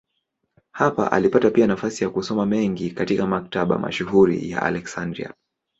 Hapa alipata pia nafasi ya kusoma mengi katika maktaba mashuhuri ya Aleksandria.